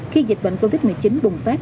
khi dịch bệnh covid một mươi chín bùng phát